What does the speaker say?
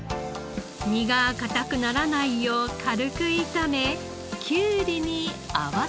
身が硬くならないよう軽く炒めきゅうりに合わせたら。